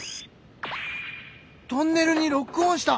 トンネルにロックオンした！